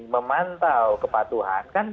memantau kepatuhan kan